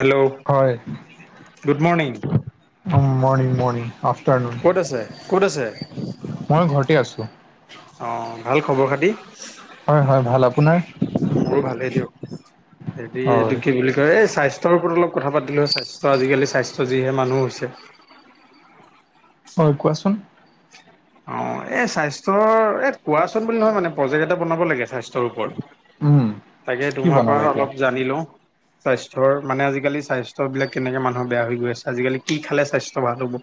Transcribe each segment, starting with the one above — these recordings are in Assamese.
হেল্ল'! হয় গুড মৰ্ণিং। অ', মৰ্ণিং, মৰ্ণিং আফটাৰনোন ক'ত আছে ক'ত আছে? মই ঘৰতে আছোঁ। অ', ভাল খবৰ খাতি? হয়, হয়, ভাল আপোনাৰ? মোৰ ভালেই দিয়ক। হেৰি এইটো হয় কি বুলি কয় এই স্বাস্থ্যৰ ওপৰত অলপ কথা পাতিলো হয়, স্বাস্থ্য আজিকালি স্বাস্থ্য যিহে মানুহ হৈছে হয়, কোৱাচোন। অ', এই স্বাস্থ্যৰ এই কোৱাচোন বুলি নহয় মানে প্ৰজেক্ট এটা বনাব লাগে স্বাস্থ্যৰ ওপৰত। উম তাকে, কি তোমাৰ বনাবা পৰা এতিয়া অলপ জানি লওঁ। স্বাস্থ্যৰ মানে আজিকালি স্বাস্থ্যবিলাক কেনেকে মানুহৰ বেয়া হৈ গৈ আছে? আজিকালি কি খালে স্বাস্থ্য ভাল হ'ব?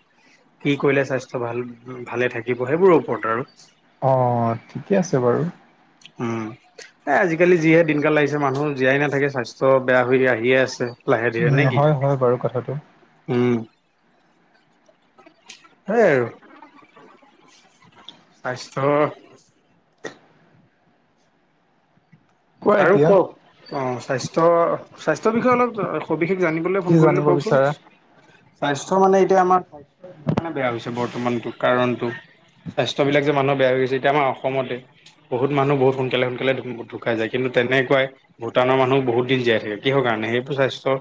কি কৰিলে স্বাস্থ্য ভাল ভালে থাক দিব সেইবোৰৰ ওপৰত আৰু অ ঠিকে আছে বাৰু উম। এ আজিকালি যিহে দিনকাল লাগিছে মানুহৰ জীয়াই নাথাকে স্বাস্থ্য বেয়া হৈ আহিয়ে আছে। লাহে উম, ধীৰে নে কি? হয়, হয়, বাৰু কথাটো। উম, সেইয়াই আৰু। স্বাস্থ্যৰ কোৱা আৰু এতিয়া কওঁক। অ', স্বাস্থ্য স্বাস্থ্যৰ বিষয়ে অলপ সবিশেষ জানিবলৈ কি ফোন কৰিলোঁ জানিব কওঁকচোন। বিচাৰা স্বাস্থ্য মানে এতিয়া আমাৰ বেয়া হৈছে বৰ্তমানটো কাৰণটো। স্বাস্থ্যবিলাক যে, মানুহ বেয়া হৈ গৈছে এতিয়া আমাৰ অসমতে বহুত মানুহ বহুত সোনকালে সোনকালে [unintelligible] ঢুকাই যায় কিন্তু তেনেকুৱাই ভূটানৰ মানুহো বহুত দিন জীয়াই থাকে কিহৰ কাৰণে? সেইবোৰ স্বাস্থ্যৰ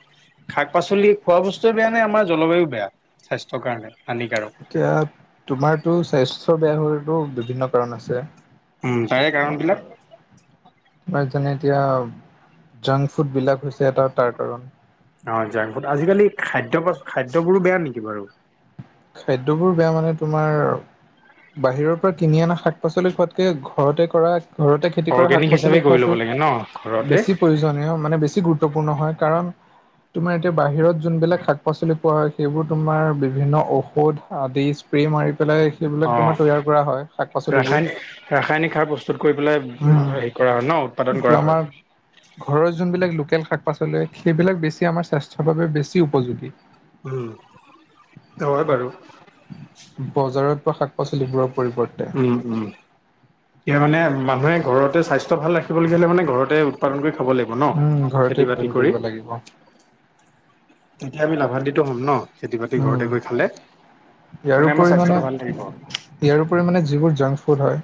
শাক পাচলি খোৱা বস্তুৱে বেয়ানে? আমাৰ জলবায়ু বেয়া স্বাস্থ্যৰ কাৰণে হানিকাৰক? এতিয়া তোমাৰতো স্বাস্থ্য বেয়া হোৱায়ো বিভিন্ন কাৰণ আছে। উম, তাৰে কাৰণবিলাক? তোমাৰ যেনে এতিয়া জাংক ফুডবিলাক হৈছে এটা তাৰ কাৰণ। অ', জাংফুত আজিকালি খাদ্য পা-খাদ্যবোৰো বেয়া নিকি বাৰু? খাদ্যবোৰ বেয়া মানে তোমাৰ বাহিৰৰ পৰা কিনি অনা শাক পাচলি খোৱাত কে, ঘৰতে কৰা ঘৰতে খেতি কৰা অৰ্গেনিক শাক হিচাপে পাচলি কৰি ল'ব খোৱাটো লাগে ন ঘৰতে বেছি প্ৰয়োজনীয় মানে বেছি গুৰু গুৰুত্বপূৰ্ণ হয়, কাৰণ তোমাৰ এতিয়া বাহিৰত যোনবিলাক শাক পাচলি পোৱা হয়, সেইবোৰ তোমাৰ বিভিন্ন ঔ ঔষধ আদি স্প্ৰে মাৰি পেলাই সেইবিলাক তোমাৰ অ', তৈয়াৰ কৰা হয় শাক পাচলিবোৰ ৰাসায়নিক ৰাসায়নিক সাৰ প্ৰস্তুত কৰি পেলাই উম হেৰি কৰা হয়, ন? উৎপাদন কিন্তু কৰা আমাৰ হয়। ঘৰৰ যোনবিলাক লোকেল শাক পাচলি সেইবিলাক বেছি আমাৰ চা উম। হয়, বাৰু বজাৰত পোৱা শাক পাচলিবোৰৰ পৰিৱৰ্তে উম, উম। ইয়াৰ মানে মানুহে ঘৰতে স্বাস্থ্য ভাল ৰাখিবলগীয়া হ'লে মানে ঘৰতে উৎপাদন কৰি খাব লা ন? উম ঘৰতে খেতি উৎপাদন বাতি কৰিব কৰি। লাগিব তেতিয়া আমি লাভাল্বিতো হ'ম ন, খেতি-বাতি উম ঘৰতে কৰি খালে। আমাৰ ইয়াৰোপৰি মানে, স্বাস্থ্যটো ভাল থাকিব ইয়াৰোপৰি মানে যিবোৰ জাংক ফুড হয়।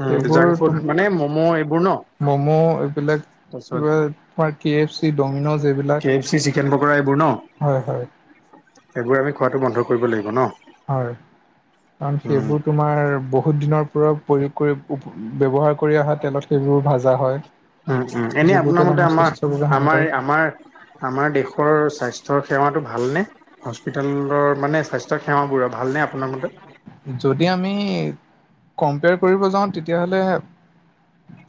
উম, জাংক ফুড সেইবোৰ মানে, ম'ম' এইবোৰ ন। ম'ম' এইবিলাক তাৰপিছত, কিবা তোমাৰ কে এফ চি ডমিন'জ এইবিলাক K F C, chicken pakora, এইবোৰ ন। হয় হয় এইবোৰ আমি খোৱাটো বন্ধ কৰিব লাগিব ন। হয়, কাৰন, উম সেইবোৰ তোমাৰ বহুত দিনৰ পৰা, প্ৰয়োগ কৰি ব্যৱহাৰ কৰি অহা তেলত সেইবোৰ ভাজা হয়, উম উম এনে যিবোৰ আপোনাৰ তেল মতে আমাৰ স্বাস্থ্যৰ বাবে আমাৰ হানিকাৰক। আমাৰ আমাৰ দেশৰ স্বাস্থ্য সেৱাটো ভালনে? হস্পিটেলৰ মানে, স্বাস্থ্য সেৱাবোৰ, ভালনে আপোনাৰ মতে? যদি, আমি কম্পেয়াৰ কৰিব যাওঁ তেতিয়া হ'লে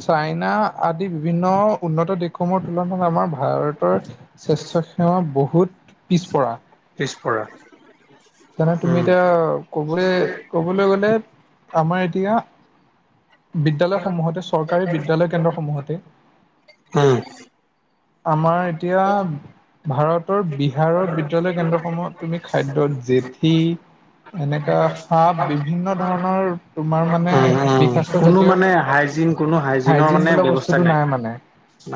চাইনা আদি বিভিন্ন উন্নত দেশসমূহৰ তুলনাত আমাৰ ভাৰতৰ স্বাস্থ্য সেৱা বহুত পিছপৰা। পিছপৰা। জানা তুমি এতিয়া, ক'বলৈ, ক'বলৈ গ'লে, আমাৰ এতিয়া বিদ্যালয় সমূহতে, চৰকাৰী বিদ্যালয় কেন্দ্ৰসমূহতে। উম। আমাৰ এতিয়া, ভাৰতৰ বিহাৰৰ বিদ্যালয় কেন্দ্ৰসমূহত তুমি খাদ্যত, জেঠি, এনেকা সাপ বিভিন্ন ধৰণৰ তোমাৰ মানে, উম উম বিষাক্ত কোনো জাতীয়, মানে হাইজিন কোনো হাইজিনৰ মানে হাইজিন বোলা ব্যৱস্থা বস্তুটো নাই মানে।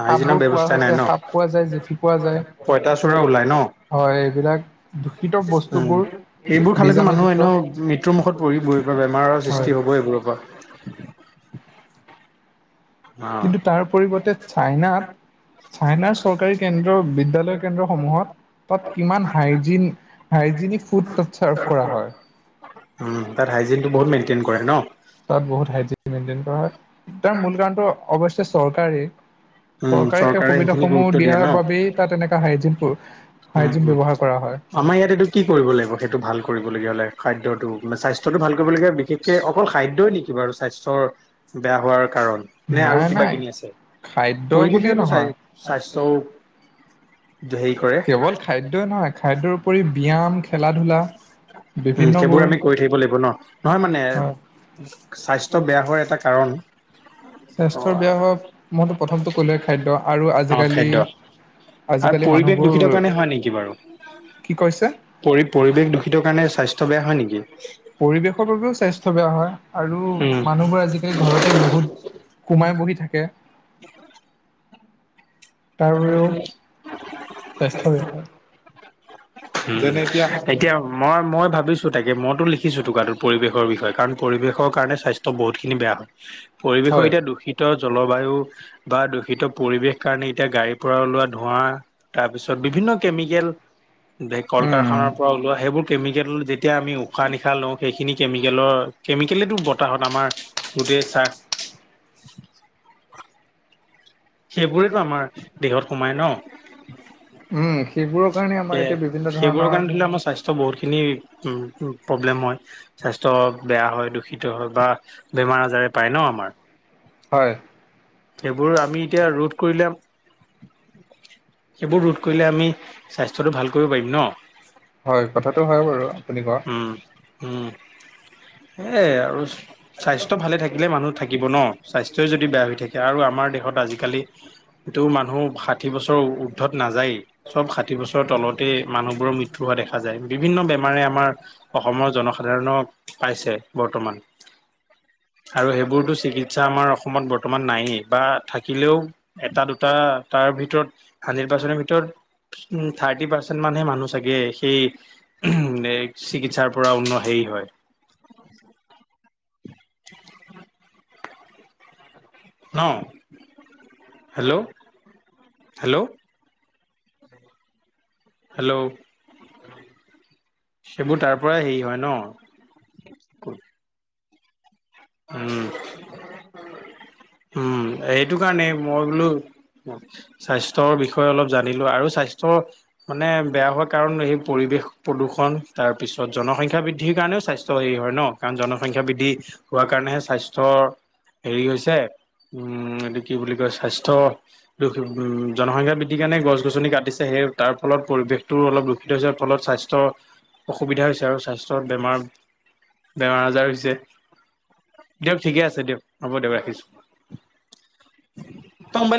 হাইজিনৰ সাপবোৰ পোৱা ব্যৱস্থা নাই হৈছে, ন সাপ পোৱা যায়, জেঠি পোৱা যায়। পঁইতাচোৰা ওলাই ন হয়, এইবিলাক দূষিত উম। বস্তুবোৰ। এইবোৰ খালেতো মানুহ বীজাণুযুক্ত এনেও, মৃত্যুৰ মুখত পৰিব, বেমাৰৰ হয় সৃষ্টি হ'ব এইবোৰৰ পৰা। অ কিন্তু, তাৰ পৰিৱৰ্তে চাইনাত চাইনাৰ চৰকাৰী কেন্দ্ৰ, বিদ্যয়ালয় কেন্দ্ৰসমূহত। তাত কিমান হাইজিন, হাইজিনিক ফুড তাত চাৰ্ভ কৰা হয়। উম, তাত হাইজিনটো বহুত মেইনটেইন কৰে ন। তাত বহুত হাইজিন মেইনটেইন কৰা হয়, তাৰ মূল কাৰণটো অৱশ্য চৰকাৰে। উম চৰকাৰে, সেই সুবিধাস সেইখিনি সমূহ গুৰুত্ব দিয়ে ন দিয়াৰ বাবে, তাত তেনেকা হাইজিন পৰ উম হাইজিন উম। ব্যৱহাৰ কৰা হয়। আমাৰ ইয়াত এইটো কি কৰিব লাগিব, সেইটো ভাল কৰিবলগীয়া হ'লে, খাদ্যতো, মানে স্বাস্থ্যটো ভাল কৰিবলগীয়া বিশেষকে, অকল খাদ্যই নেকি বাৰু, স্বাস্থ্যৰ বেয়া হোৱাৰ কাৰণ। নাই, নাই। খাদ্য বুলি পৰিৱেশেটো স্বাই নহয় স্বাস্থ্যও হেৰি কৰে কেৱল খাদ্যই নহয়, খাদ্যৰ উপৰি ব্যায়াম, খেলা-ধূলা। উম, সেইবোৰ আমি কৰি থাকিব লাগিব ন, নহয় মানে, হয় স্বাস্থ্য বেয়া হোৱাৰ এটা কাৰণ। স্বাস্থ্যৰ বেয়া হোৱা মইতো প্ৰথমটো ক'লোৱে, খাদ্য, আৰু অ আজিকালি খাদ্য আৰু আজিকালি পৰিৱেশ দূষিত মানুহবোৰ, কাৰণে হয় নেকি বাৰু কি কৈছে? পৰি, পৰিৱেশ দূষিত কাৰণে, স্বাস্থ্য বেয়া হয় নেকি? পৰিৱেশৰ বাবেও স্বাস্থ্য বেয়া হয়। আৰু উম মানুহবোৰ আজিকালি, ঘৰতে বহুত সোমাই বহি থাকে। তাৰ বাবেও স্বাস্থ্যবোৰ উম, এতিয়া মই, মই ভাবিছোঁ তাক, মইতো লিখিছো টুকাটোত, পৰিৱেশৰ বিষয়ে, কাৰণ, পৰিৱেশৰ কাৰণে স্বাস্থ্য বহুতখিনি বেয়া হয়। পৰিৱেশৰ হয় এতিয়া দূষিত জলবায়ু বা দূষিত পৰিৱেশ কাৰণেত এতিয়া গাড়ীৰ পৰা ওলোৱা ধোঁৱা, তাৰ পিছত বিভিন্ন কেমিকেল ধে উম কল-কাৰখানাৰ পৰা ওলোৱা, সেইবোৰ কেমিকেল যেতিয়া আমি উশাহ-নিশাহ লওঁ সেইখিনি কেমিকেলৰ কেমিকেলেতটো বতাহত আমাৰ গোটেই শ্বাহ, সেইবোৰেটো আমাৰ দেহত সোমাই ন। উম সেইবোৰৰ কাৰণে আমাৰ এতিয়া বিভিন্ন ধৰণৰ ছ বহুতখিনি প্ৰব্লেম হয়, স্বাস্থ্য বেয়া হয়, দূষিত হয় বা বেমাৰ আজাৰে পায় ন আমাৰ, হয় সেইবোৰ আমিত এতিয়া ৰোধ কৰিলে, এইবোৰ ৰোধ কৰিলে আমি স্বাস্থ্যটো ভাল কৰিব পাৰিম ন? হয়, কথাটো হয় বাৰু আপুনি কোৱা। হুম, সেয় আৰুছ স্বাস্থ্য ভালে থাকিলে মানুহ থাকিব ন, স্বাস্থ্যই যদি বেয়া হৈ থাকে, আৰু আমাৰ দেশত আজি কালি এইটো মানুহ ষাঠি বছৰ উৰ্ধত নাযায়ে চব ষাঠ ঠি বছৰ তলতেই মানুহবোৰৰ মৃত্যু হোৱা দেখ খা যায়, বিভিন্ন বেমাৰে আমাৰ অসমৰ জনসাধাৰণক পাইছে বৰ্তমান। আৰু সেইবোৰতো চিকিৎসা আমাৰ অসমত বৰ্তমান নায়েই বা থাক কিলেও এটা, দুটা তাৰ ভিতৰত হাড্ৰেড পাৰ্চেণ্টৰ ভিতৰত। উ থাৰ্টি পাৰ্চেন্ট মানহে মানুহ চাগে সেই উ চিকিৎসাৰ পৰা উন্ন হেৰি হয়। ন হেল্ল' হেল্ল' হেল্ল' সেইবোৰ তাৰ পৰাই হেৰি হয় ন। উম উম সেইটো কাৰণে মই বোলো স্বাস্থ্যৰ বিষয়ে অলপ জানিলো আৰু স্বাস্থ্যৰ মানে বেয়া হোৱা কাৰণ সেই পৰিৱেশ প্ৰদূষণ তাৰ পিছত জনসংখ্যা বৃদ্ধিৰ কাৰণেও স্বাস্থ স্থ্য হেৰি হয় ন কাৰণ জনসংখা বৃদ্ধি হোৱা কাৰণেহে স্বাস্থ্য হেৰি হৈছে। উম এইটো কি বুলি কয় স্বাস্থ্য দূষোবো জনসংখ্যা বৃদ্ধিৰ কাৰণে গছ গছনি কাটিছে সেই তাৰ ফলত পৰিৱেশটো অলপ দূষিত হৈছে ফলত স্বাস্থ স্থ্য অসুবিধা হৈছে আৰু স্বাস্থ্যত বেমাৰ বেমাৰ আজাৰ হৈছে। দিয়ক ঠিকে আছে দিয়ক হ'ব দিয়ক ৰাখিছো। ত মোবাইলটো